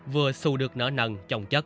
vừa xù được nở nần chồng chất